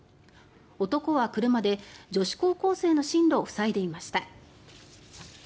男は車で女子高校生の進路を塞いでいました。